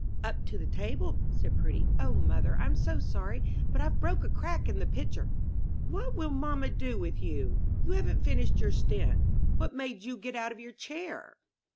"Up to the table," said Prudy. "O, mother, I'm so sorry, but I've broke a crack in the pitcher!" "What will mamma do with you? You haven't finished your stint what made you get out of your chair?"